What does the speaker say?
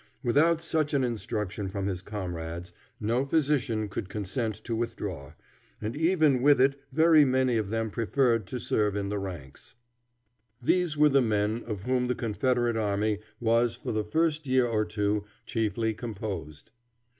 Without such an instruction from his comrades no physician would consent to withdraw, and even with it very many of them preferred to serve in the ranks. These were the men of whom the Confederate army was for the first year or two chiefly composed.